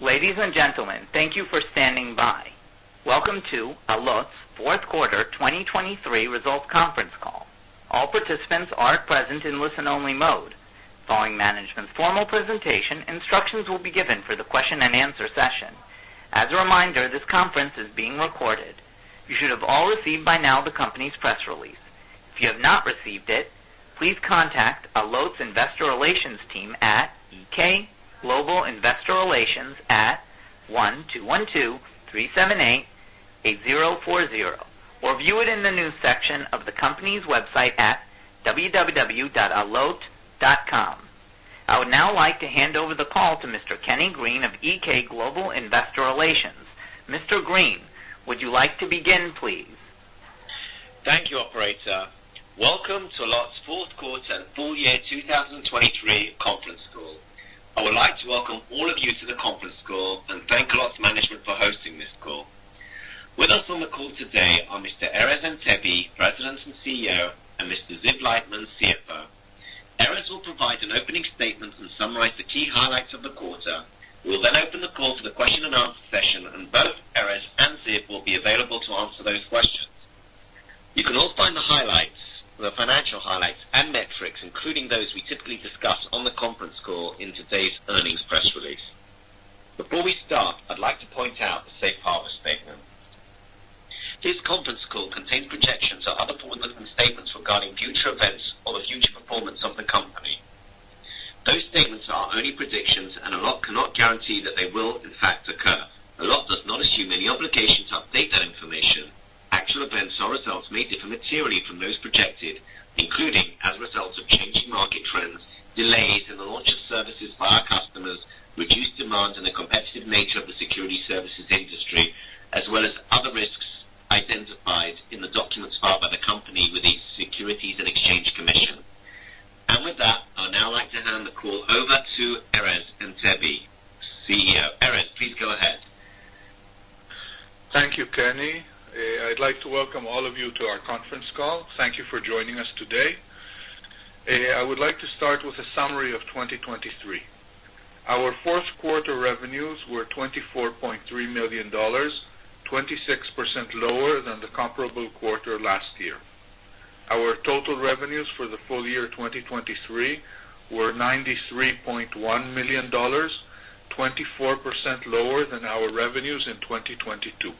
Ladies and gentlemen, thank you for standing by. Welcome to Allot's fourth quarter 2023 results conference call. All participants are present in listen-only mode. Following management's formal presentation, instructions will be given for the question and answer session. As a reminder, this conference is being recorded. You should have all received by now the company's press release. If you have not received it, please contact Allot's Investor Relations team at EK Global Investor Relations at 1-212-378-8040, or view it in the News section of the company's website at www.allot.com. I would now like to hand over the call to Mr. Kenny Green of EK Global Investor Relations. Mr. Green, would you like to begin, please? Thank you, operator. Welcome to Allot's fourth quarter and full year 2023 conference call. I would like to welcome all of you to the conference call and thank Allot's management for hosting this call. With us on the call today are Mr. Erez Antebi, President and CEO, and Mr. Ziv Leitman, CFO. Erez will provide an opening statement and summarize the key highlights of the quarter. We will then open the call to the question and answer session, and both Erez and Ziv will be available to answer those questions. You can all find the highlights, the financial highlights and metrics, including those we typically discuss on the conference call in today's earnings press release. Before we start, I'd like to point out the safe harbor statement. This conference call contains projections and other forward-looking statements regarding future events or the future performance of the company. Those statements are only predictions and Allot cannot guarantee that they will, in fact, occur. Allot does not assume any obligation to update that information. Actual events or results may differ materially from those projected, including as a result of changing market trends, delays in the launch of services by our customers, reduced demand, and the competitive nature of the security services industry, as well as other risks identified in the documents filed by the company with the Securities and Exchange Commission. With that, I would now like to hand the call over to Erez Antebi, CEO. Erez, please go ahead. Thank you, Kenny. I'd like to welcome all of you to our conference call. Thank you for joining us today. I would like to start with a summary of 2023. Our fourth quarter revenues were $24.3 million, 26% lower than the comparable quarter last year. Our total revenues for the full year 2023 were $93.1 million, 24% lower than our revenues in 2022.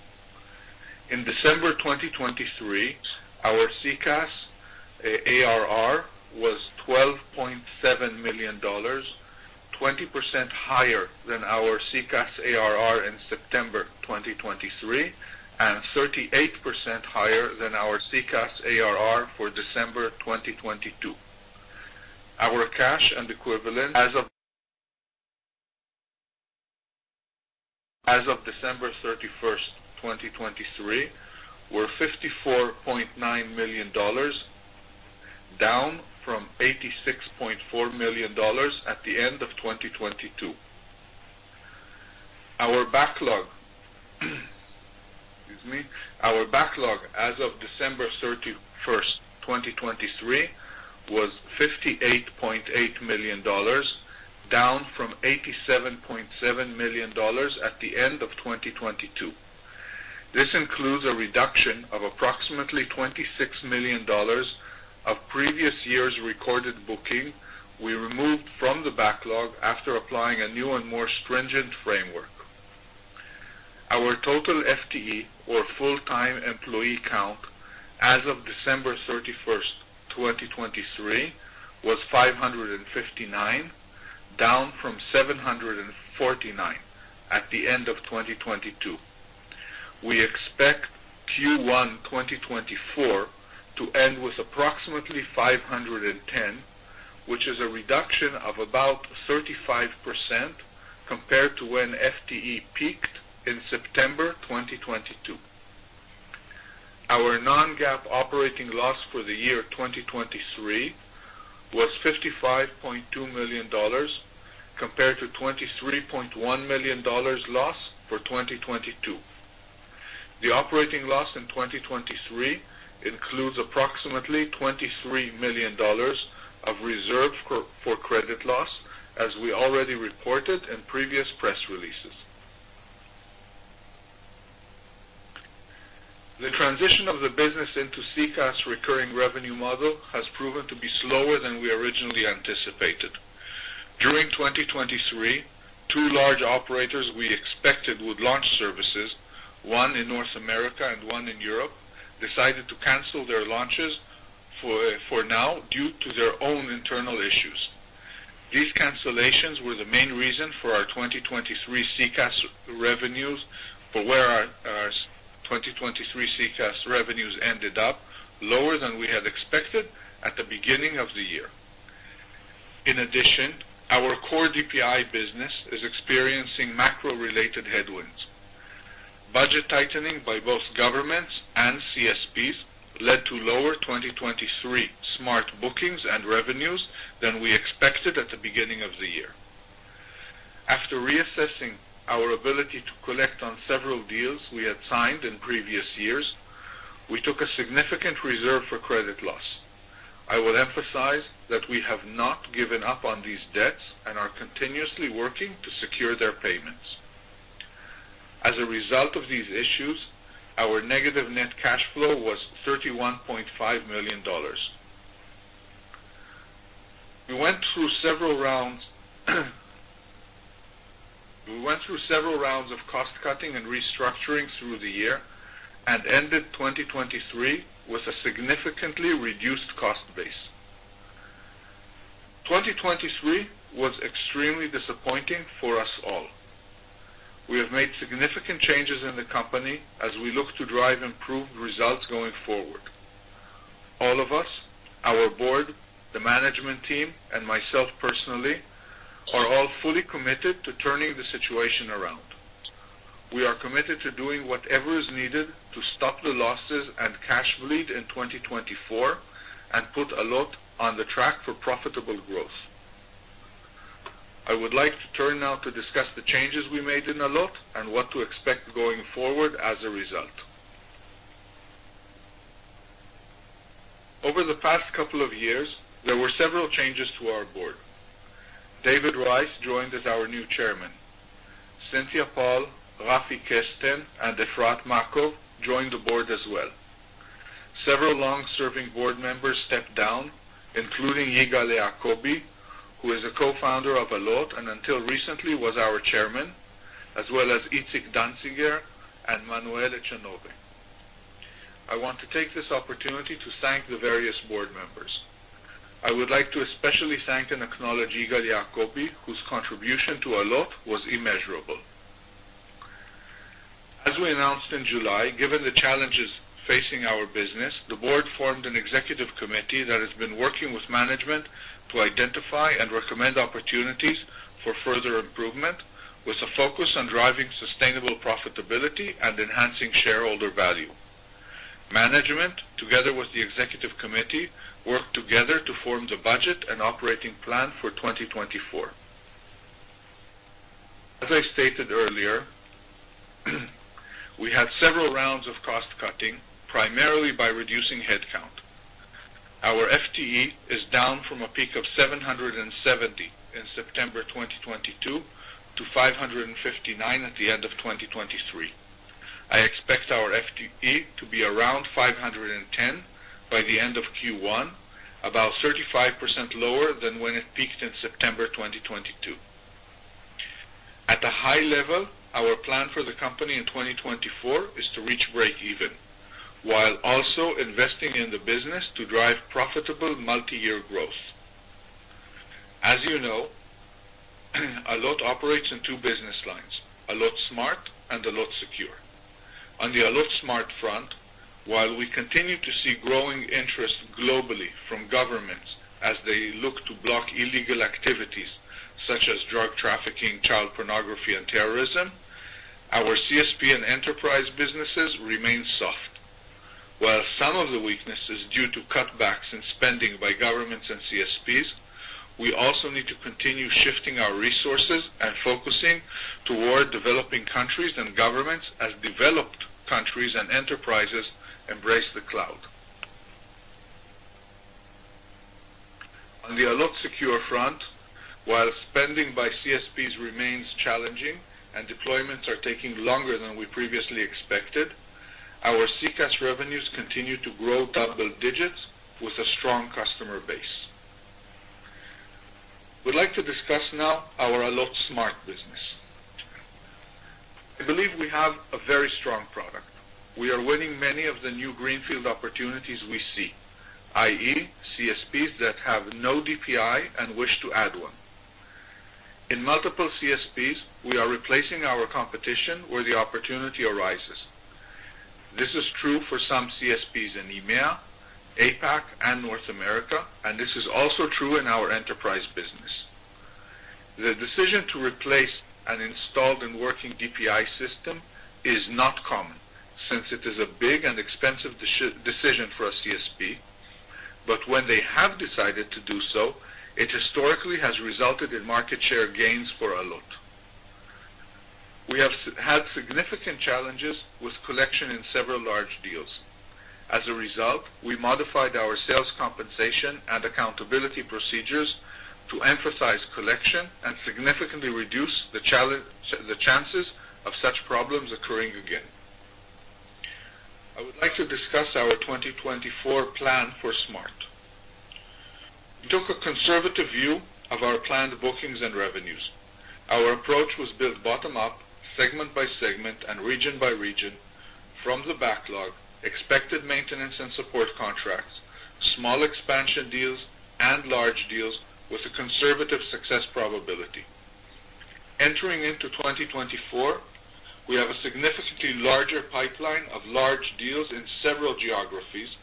In December 2023, our CCaaS ARR was $12.7 million, 20% higher than our CCaaS ARR in September 2023, and 38% higher than our SECaaS ARR for December 2022. Our cash and equivalents, as of December 31, 2023, were $54.9 million, down from $86.4 million at the end of 2022. Our backlog, excuse me. Our backlog as of December 31, 2023, was $58.8 million, down from $87.7 million at the end of 2022. This includes a reduction of approximately $26 million of previous years recorded booking we removed from the backlog after applying a new and more stringent framework. Our total FTE, or full-time employee count, as of December 31, 2023, was 559, down from 749 at the end of 2022. We expect Q1 2024 to end with approximately 510, which is a reduction of about 35% compared to when FTE peaked in September 2022. Our Non-GAAP operating loss for the year 2023 was $55.2 million, compared to $23.1 million loss for 2022. The operating loss in 2023 includes approximately $23 million of reserve for credit loss, as we already reported in previous press releases. The transition of the business into CCaaS' recurring revenue model has proven to be slower than we originally anticipated. During 2023, two large operators we expected would launch services, one in North America and one in Europe, decided to cancel their launches for now, due to their own internal issues. These cancellations were the main reason for our 2023 CCaaS revenues, for where our 2023 CCaaS revenues ended up lower than we had expected at the beginning of the year. In addition, our core DPI business is experiencing macro-related headwinds. Budget tightening by both governments and CSPs led to lower 2023 Smart bookings and revenues than we expected at the beginning of the year. After reassessing our ability to collect on several deals we had signed in previous years, we took a significant reserve for credit loss. I will emphasize that we have not given up on these debts and are continuously working to secure their payments. As a result of these issues, our negative net cash flow was $31.5 million. We went through several rounds, we went through several rounds of cost-cutting and restructuring through the year, and ended 2023 with a significantly reduced cost base. 2023 was extremely disappointing for us all. We have made significant changes in the company as we look to drive improved results going forward. All of us, our board, the management team, and myself personally, are all fully committed to turning the situation around. We are committed to doing whatever is needed to stop the losses and cash bleed in 2024, and put Allot on the track for profitable growth. I would like to turn now to discuss the changes we made in Allot and what to expect going forward as a result. Over the past couple of years, there were several changes to our board. David Reis joined as our new chairman. Cynthia Paul, Raffi Kesten, and Efrat Makov joined the board as well. Several long-serving board members stepped down, including Yigal Jacoby, who is a co-founder of Allot, and until recently, was our chairman, as well as Itzik Danziger and Manuel Echanove. I want to take this opportunity to thank the various board members. I would like to especially thank and acknowledge Yigal Jacoby, whose contribution to Allot was immeasurable. As we announced in July, given the challenges facing our business, the board formed an executive committee that has been working with management to identify and recommend opportunities for further improvement, with a focus on driving sustainable profitability and enhancing shareholder value. Management, together with the executive committee, worked together to form the budget and operating plan for 2024. As I stated earlier, we had several rounds of cost-cutting, primarily by reducing headcount. Our FTE is down from a peak of 770 in September 2022, to 559 at the end of 2023. I expect our FTE to be around 510 by the end of Q1, about 35% lower than when it peaked in September 2022. At a high level, our plan for the company in 2024 is to reach breakeven, while also investing in the business to drive profitable multi-year growth. As you know, Allot operates in two business lines, Allot Smart and Allot Secure. On the Allot Smart front, while we continue to see growing interest globally from governments as they look to block illegal activities such as drug trafficking, child pornography, and terrorism, our CSP and enterprise businesses remain soft. While some of the weakness is due to cutbacks in spending by governments and CSPs, we also need to continue shifting our resources and focusing toward developing countries and governments as developed countries and enterprises embrace the cloud. On the Allot Secure front, while spending by CSPs remains challenging and deployments are taking longer than we previously expected, our CCaaS revenues continue to grow double digits with a strong customer base. We'd like to discuss now our Allot Smart business. I believe we have a very strong product. We are winning many of the new greenfield opportunities we see, i.e., CSPs that have no DPI and wish to add one. In multiple CSPs, we are replacing our competition where the opportunity arises. This is true for some CSPs in EMEA, APAC, and North America, and this is also true in our enterprise business. The decision to replace an installed and working DPI system is not common, since it is a big and expensive decision for a CSP, but when they have decided to do so, it historically has resulted in market share gains for Allot. We have had significant challenges with collection in several large deals. As a result, we modified our sales compensation and accountability procedures to emphasize collection and significantly reduce the challenge, the chances of such problems occurring again. I would like to discuss our 2024 plan for Smart. We took a conservative view of our planned bookings and revenues. Our approach was built bottom up, segment by segment, and region by region, from the backlog, expected maintenance and support contracts, small expansion deals, and large deals with a conservative success probability. Entering into 2024, we have a significantly larger pipeline of large deals in several geographies,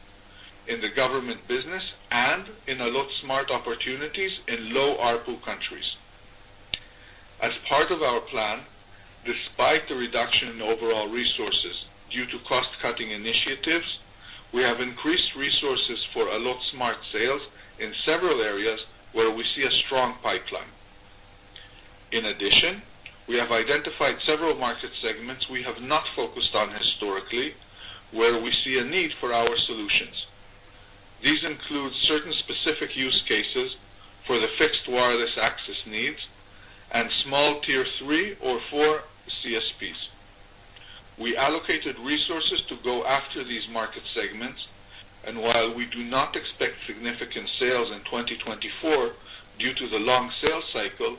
in the government business, and in Allot Smart opportunities in low ARPU countries. As part of our plan, despite the reduction in overall resources due to cost-cutting initiatives, we have increased resources for Allot Smart sales in several areas where we see a strong pipeline. In addition, we have identified several market segments we have not focused on historically, where we see a need for our solutions. These include certain specific use cases for the fixed wireless access needs and small tier three or four CSPs. We allocated resources to go after these market segments, and while we do not expect significant sales in 2024 due to the long sales cycle,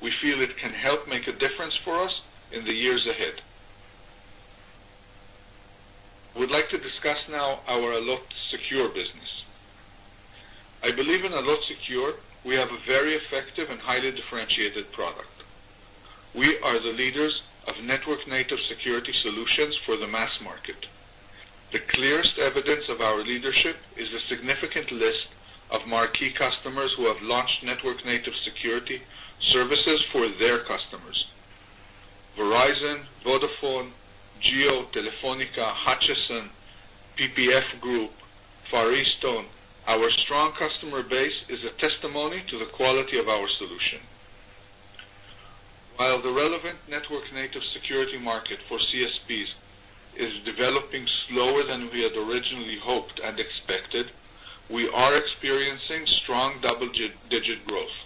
we feel it can help make a difference for us in the years ahead. We'd like to discuss now our Allot Secure business. I believe in Allot Secure, we have a very effective and highly differentiated product. We are the leaders of network-native security solutions for the mass market. The clearest evidence of our leadership is a significant list of marquee customers who have launched network-native security services for their customers. Verizon, Vodafone, Jio, Telefónica, Hutchison, PPF Group, Far EasTone. Our strong customer base is a testimony to the quality of our solution. While the relevant network-native security market for CSPs is developing slower than we had originally hoped and expected, we are experiencing strong double-digit growth.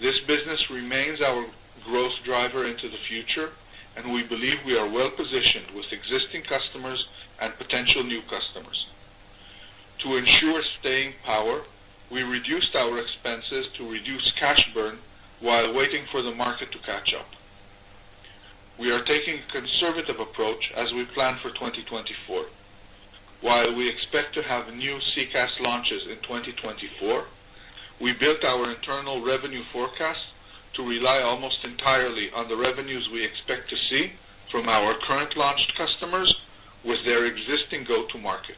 This business remains our growth driver into the future, and we believe we are well positioned with existing customers and potential new customers. To ensure staying power, we reduced our expenses to reduce cash burn while waiting for the market to catch up. We are taking a conservative approach as we plan for 2024. While we expect to have new CCaaS launches in 2024, we built our internal revenue forecast to rely almost entirely on the revenues we expect to see from our current launched customers with their existing go-to-market.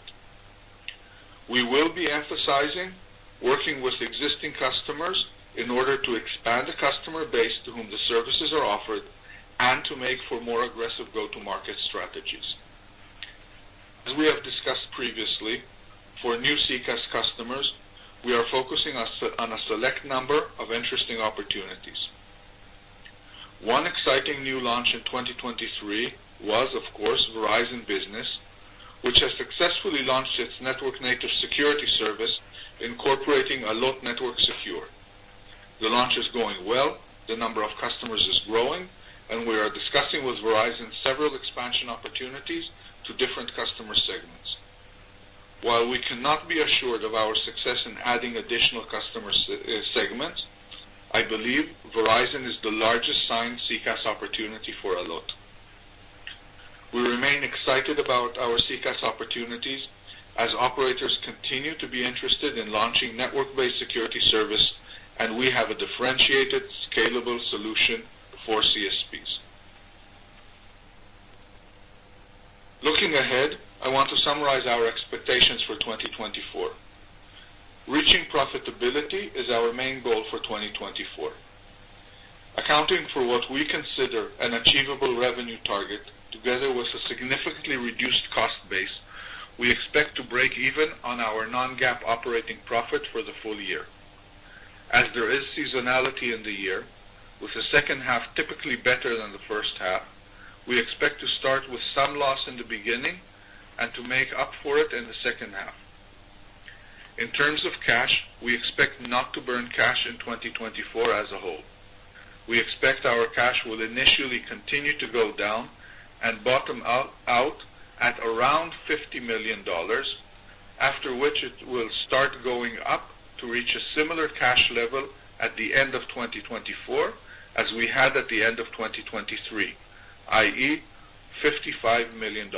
We will be emphasizing working with existing customers in order to expand the customer base to whom the services are offered and to make for more aggressive go-to-market strategies. As we have discussed previously, for new CCaaS customers, we are focusing on a select number of interesting opportunities. One exciting new launch in 2023 was, of course, Verizon Business, which has successfully launched its network-native security service, incorporating Allot Network Secure. The launch is going well, the number of customers is growing, and we are discussing with Verizon several expansion opportunities to different customer segments. While we cannot be assured of our success in adding additional customer segments, I believe Verizon is the largest signed CCaaS opportunity for Allot. We remain excited about our CCaaS opportunities as operators continue to be interested in launching network-based security service, and we have a differentiated, scalable solution for CSPs. Looking ahead, I want to summarize our expectations for 2024. Reaching profitability is our main goal for 2024. Accounting for what we consider an achievable revenue target, together with a significantly reduced cost base, we expect to break even on our non-GAAP operating profit for the full year. As there is seasonality in the year, with the second half typically better than the first half, we expect to start with some loss in the beginning and to make up for it in the second half. In terms of cash, we expect not to burn cash in 2024 as a whole. We expect our cash will initially continue to go down and bottom out at around $50 million, after which it will start going up to reach a similar cash level at the end of 2024 as we had at the end of 2023, i.e., $55 million.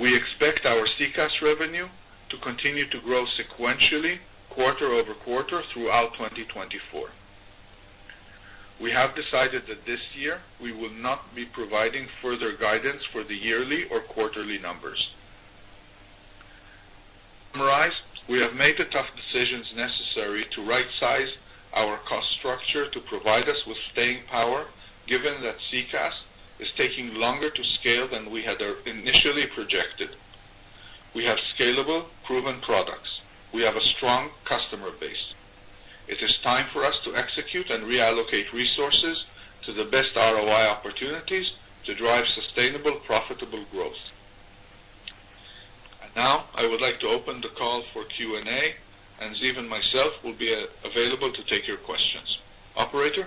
We expect our CCaaS revenue to continue to grow sequentially, quarter-over-quarter, throughout 2024. We have decided that this year, we will not be providing further guidance for the yearly or quarterly numbers. Summarized, we have made the tough decisions necessary to rightsize our cost structure to provide us with staying power, given that CCaaS is taking longer to scale than we had initially projected. We have scalable, proven products. We have a strong customer base. It is time for us to execute and reallocate resources to the best ROI opportunities to drive sustainable, profitable growth. Now I would like to open the call for Q&A, and Ziv and myself will be available to take your questions. Operator?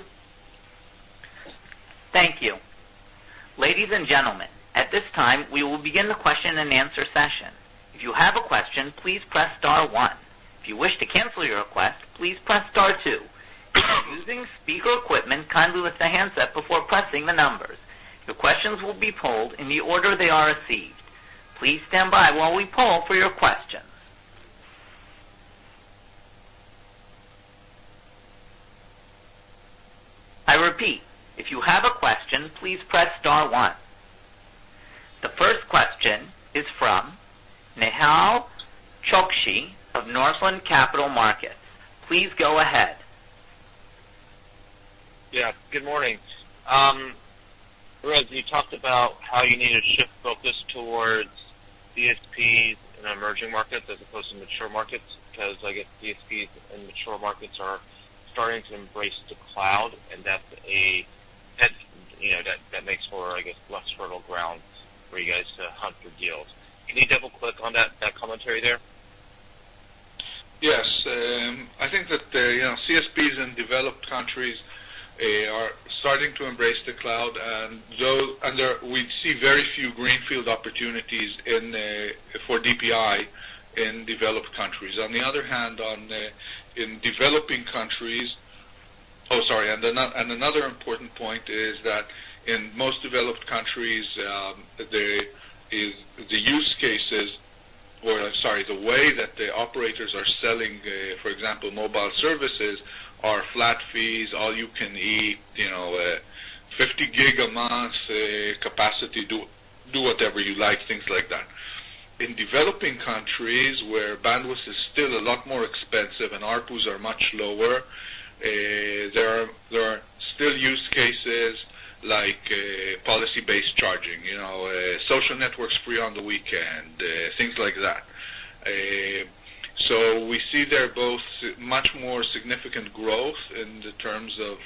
Thank you. Ladies and gentlemen, at this time, we will begin the question-and-answer session. If you have a question, please press star one. If you wish to cancel your request, please press star two. If you're using speaker equipment, kindly lift the handset before pressing the numbers. Your questions will be polled in the order they are received. Please stand by while we poll for your questions. I repeat, if you have a question, please press star one. The first question is from Nehal Chokshi of Northland Capital Markets. Please go ahead. Yeah, good morning. Erez, you talked about how you need to shift focus towards CSPs in emerging markets as opposed to mature markets, because I guess CSPs in mature markets are starting to embrace the cloud, and that's a, you know, that makes for, I guess, less fertile ground for you guys to hunt for deals. Can you double-click on that commentary there? Yes. I think that, you know, CSPs in developed countries, they are starting to embrace the cloud, and there we see very few greenfield opportunities for DPI in developed countries. On the other hand, in developing countries. Sorry, another important point is that in most developed countries, the use cases, or sorry, the way that the operators are selling, for example, mobile services are flat fees, all you can eat, you know, 50 gig a month capacity, do whatever you like, things like that. In developing countries, where bandwidth is still a lot more expensive and ARPU's are much lower, there are still use cases like policy-based charging, you know, social networks free on the weekend, things like that. So we see there both much more significant growth in the terms of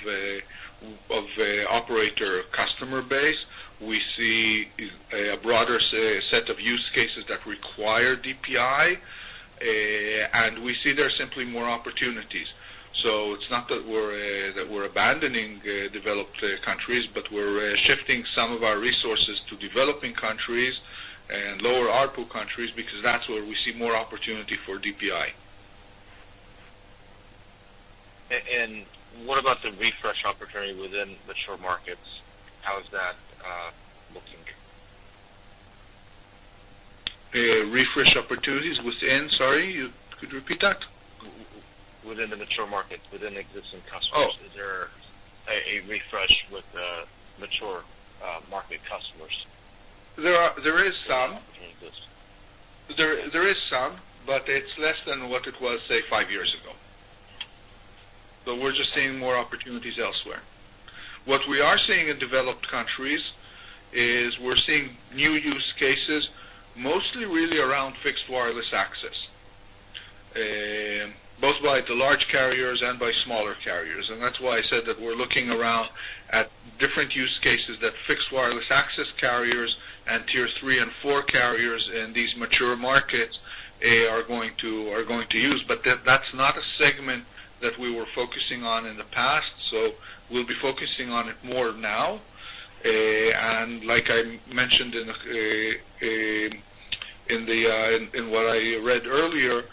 operator customer base. We see a broader set of use cases that require DPI, and we see there are simply more opportunities. So it's not that we're abandoning developed countries, but we're shifting some of our resources to developing countries and lower ARPU countries, because that's where we see more opportunity for DPI. And what about the refresh opportunity within mature markets? How is that looking? Refresh opportunities within. Sorry, you could repeat that? Within the mature markets, within existing customers. Oh. Is there a refresh with mature market customers? There is some. Exist. There is some, but it's less than what it was, say, five years ago. But we're just seeing more opportunities elsewhere. What we are seeing in developed countries is we're seeing new use cases, mostly really around fixed wireless access, both by the large carriers and by smaller carriers. And that's why I said that we're looking around at different use cases that fixed wireless access carriers and tier three and four carriers in these mature markets are going to use. But that's not a segment that we were focusing on in the past, so we'll be focusing on it more now. Like I mentioned in what I read earlier,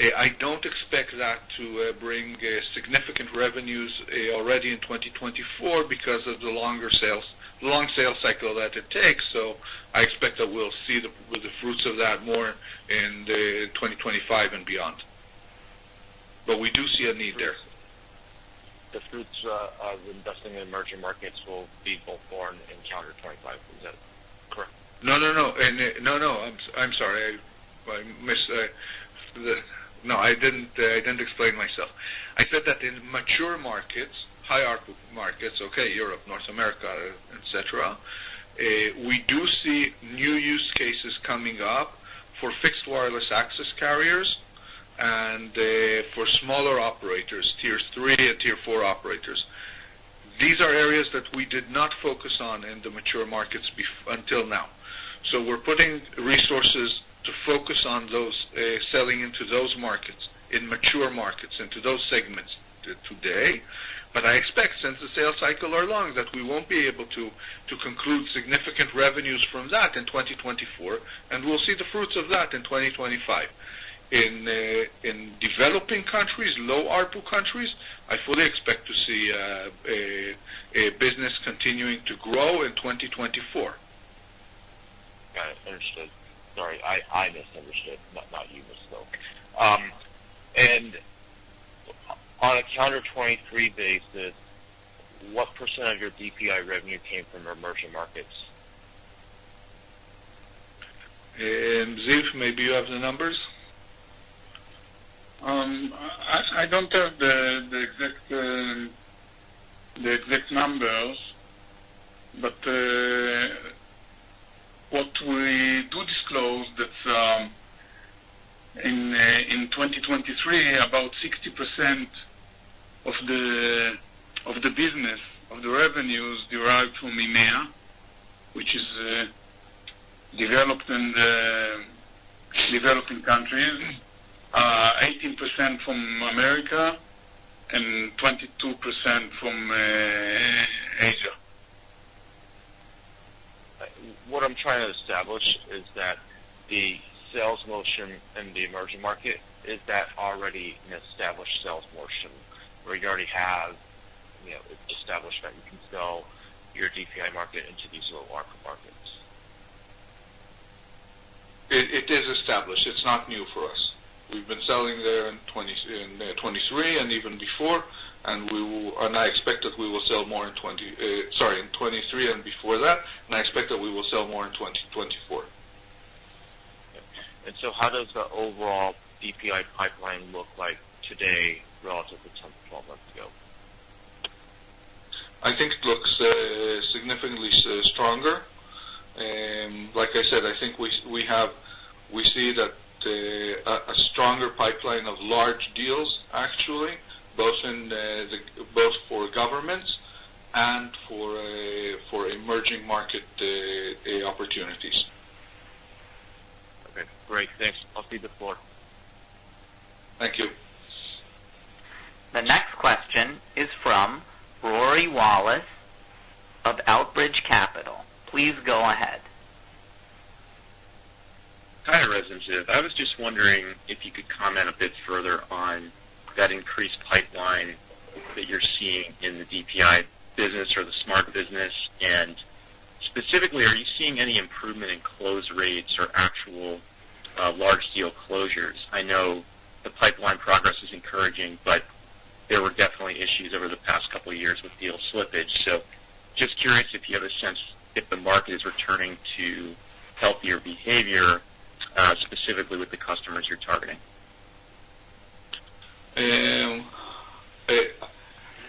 I don't expect that to bring significant revenues already in 2024 because of the longer sales cycle that it takes. So I expect that we'll see the fruits of that more in 2025 and beyond. But we do see a need there. The fruits of investing in emerging markets will be full born in calendar 2025. Is that correct? No, no, no. No, no, I'm sorry. I missed. No, I didn't explain myself. I said that in mature markets, high ARPU markets, okay, Europe, North America, et cetera, we do see new use cases coming up for fixed wireless access carriers and for smaller operators, tiers three and tier four operators. These are areas that we did not focus on in the mature markets until now. So we're putting resources to focus on those, selling into those markets, in mature markets, into those segments today. But I expect, since the sales cycle are long, that we won't be able to conclude significant revenues from that in 2024, and we'll see the fruits of that in 2025. In developing countries, low ARPU countries, I fully expect to see a business continuing to grow in 2024. Got it. Understood. Sorry, I misunderstood, not you as well. And on a calendar 2023 basis, what % of your DPI revenue came from emerging markets? Ziv, maybe you have the numbers? I don't have the exact numbers, but what we do disclose that in 2023, about 60% of the business revenues derived from EMEA, which is developed and developing countries, 18% from America and 22% from Asia. What I'm trying to establish is that the sales motion in the emerging market, is that already an established sales motion, where you already have, you know, it's established that you can sell your DPI market into these larger markets? It is established. It's not new for us. We've been selling there in 2023 and even before, and I expect that we will sell more in 2024. How does the overall DPI pipeline look like today relative to 12 months ago? I think it looks significantly stronger. And like I said, I think we see that a stronger pipeline of large deals actually, both for governments and for emerging market opportunities. Okay, great. Thanks. I'll see the floor. Thank you. The next question is from Rory Wallace of Outerbridge Capital. Please go ahead. Hi, Erez. I was just wondering if you could comment a bit further on that increased pipeline that you're seeing in the DPI business or the smart business, and specifically, are you seeing any improvement in close rates or actual, large deal closures? I know the pipeline progress is encouraging, but there were definitely issues over the past couple of years with deal slippage. Just curious if you have a sense if the market is returning to healthier behavior, specifically with the customers you're targeting.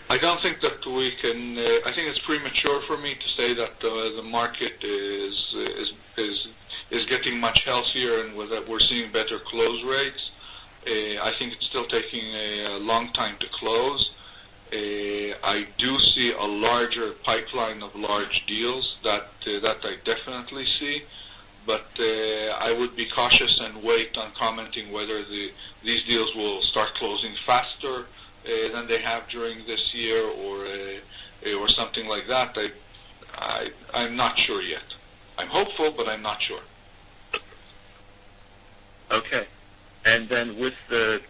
I don't think that we can. I think it's premature for me to say that the market is getting much healthier and whether we're seeing better close rates. I think it's still taking a long time to close. I do see a larger pipeline of large deals that I definitely see, but I would be cautious and wait on commenting whether these deals will start closing faster than they have during this year or something like that. I'm not sure yet. I'm hopeful, but I'm not sure. Okay. And then with the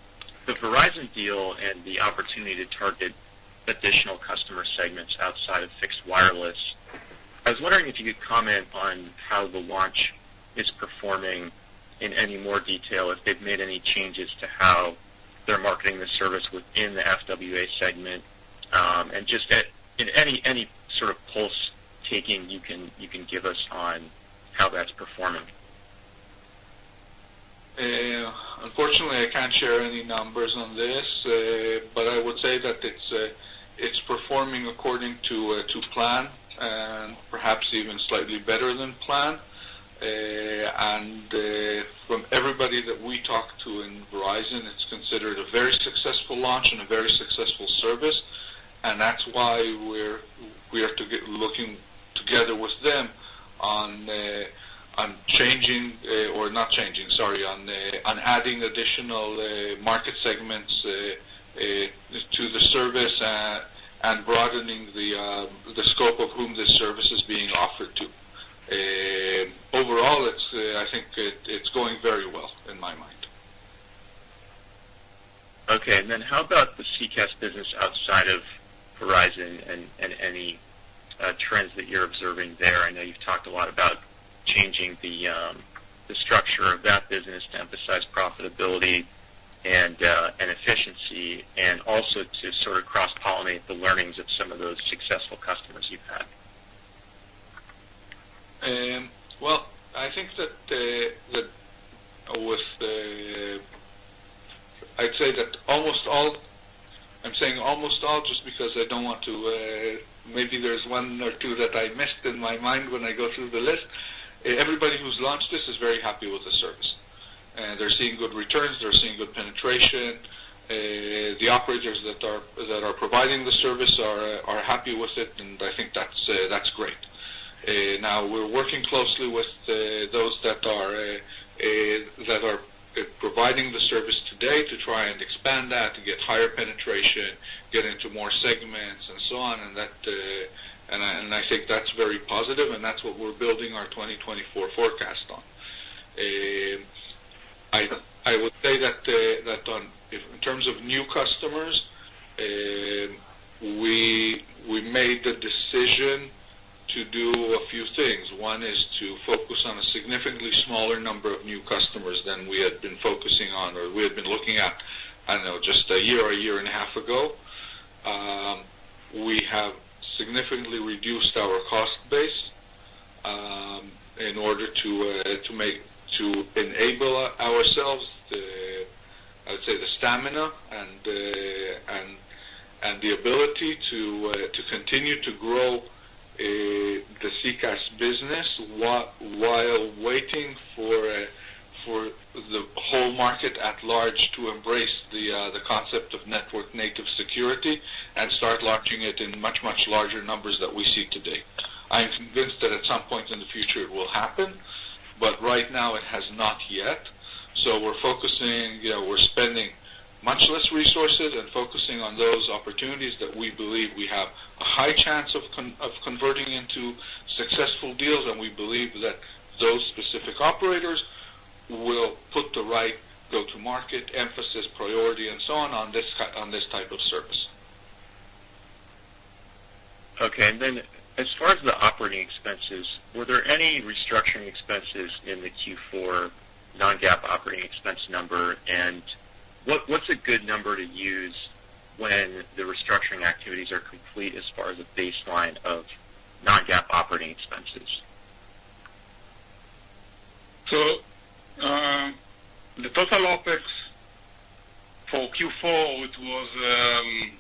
Verizon deal and the opportunity to target additional customer segments outside of fixed wireless, I was wondering if you could comment on how the launch is performing in any more detail, if they've made any changes to how they're marketing the service within the FWA segment. And just any sort of pulse taking you can give us on how that's performing. Unfortunately, I can't share any numbers on this, but I would say that it's, it's performing according to, to plan, and perhaps even slightly better than planned. And, from everybody that we talk to in Verizon, it's considered a very successful launch and a very successful service. And that's why we're- we have to get looking together with them on, on changing, or not changing, sorry, on, on adding additional, market segments, to the service, and broadening the, the scope of whom this service is being offered to. Overall, it's, I think it, it's going very well in my mind. Okay, and then how about the CCaaS business outside of Verizon and, and any, trends that you're observing there? I know you've talked a lot about changing the, the structure of that business to emphasize profitability and, and efficiency, and also to sort of cross-pollinate the learnings of some of those successful customers you've had. Well, I think that with the, I'd say that almost all, I'm saying almost all, just because I don't want to, maybe there's one or two that I missed in my mind when I go through the list. Everybody who's launched this is very happy with the service. They're seeing good returns, they're seeing good penetration. The operators that are providing the service are happy with it, and I think that's great. Now we're working closely with those that are providing the service today to try and expand that, to get higher penetration, get into more segments, and so on. And that, and I think that's very positive, and that's what we're building our 2024 forecast on. I would say that on, in terms of new customers, we made the decision to do a few things. One is to focus on a significantly smaller number of new customers than we had been focusing on, or we had been looking at, I don't know, just a year or a year and a half ago. We have significantly reduced our cost base in order to make- to enable ourselves the, I would say, the stamina and the- and the ability to continue to grow the CCaaS business, while waiting for the whole market at large to embrace the concept of network native security and start launching it in much, much larger numbers that we see today. I am convinced that at some point in the future it will happen, but right now it has not yet. So we're focusing, we're spending much less resources and focusing on those opportunities that we believe we have a high chance of converting into successful deals, and we believe that those specific operators will put the right go-to-market, emphasis, priority, and so on, on this, on this type of service. Okay. And then as far as the operating expenses, were there any restructuring expenses in the Q4 Non-GAAP operating expense number? And what, what's a good number to use when the restructuring activities are complete as far as a baseline of-... Non-GAAP operating expenses? So, the total OpEx for Q4 was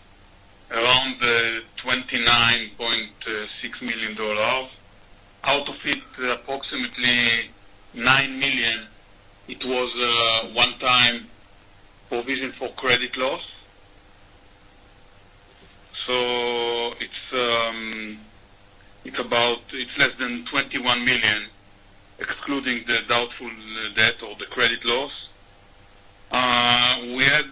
around $29.6 million. Out of it, approximately $9 million was one-time provision for credit loss. So it's about. It's less than $21 million, excluding the doubtful debt or the credit loss. We had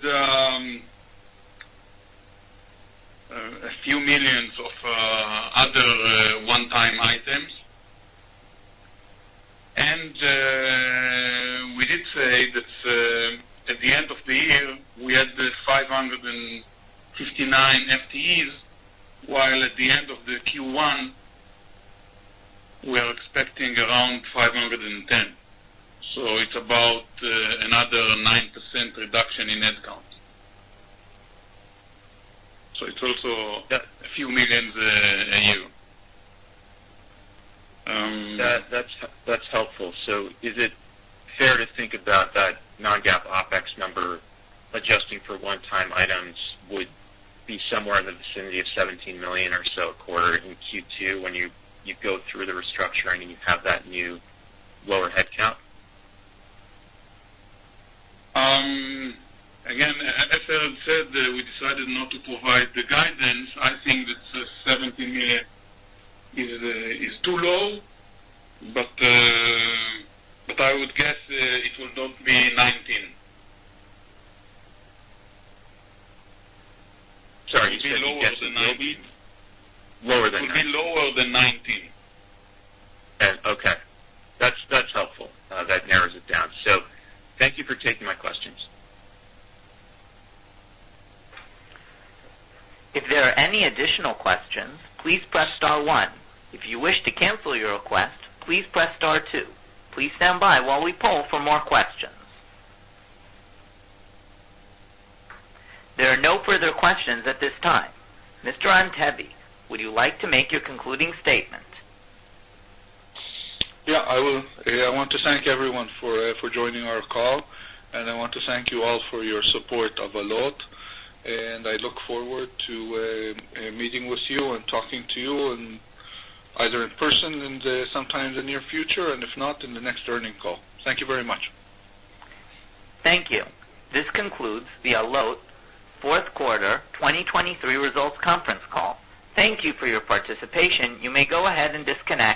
a few millions of other one-time items. And we did say that at the end of the year, we had 559 FTEs, while at the end of the Q1, we are expecting around 510. So it's about another 9% reduction in headcounts. So it's also a few millions a year. That's helpful. So is it fair to think about that non-GAAP OpEx number, adjusting for one-time items, would be somewhere in the vicinity of $17 million or so a quarter in Q2, when you go through the restructuring and you have that new lower headcount? Again, as I have said, we decided not to provide the guidance. I think that $17 million is too low, but I would guess it will not be $19 million. Sorry, you said- It will be lower than 19. Lower than 19. It will be lower than 19. Okay. That's, that's helpful. That narrows it down. So thank you for taking my questions. If there are any additional questions, please press star one. If you wish to cancel your request, please press star two. Please stand by while we poll for more questions. There are no further questions at this time. Mr. Antebi, would you like to make your concluding statement? Yeah, I will. I want to thank everyone for for joining our call, and I want to thank you all for your support of Allot, and I look forward to meeting with you and talking to you, and either in person sometime in the near future, and if not, in the next earnings call. Thank you very much. Thank you. This concludes the Allot fourth quarter, 2023 results conference call. Thank you for your participation. You may go ahead and disconnect.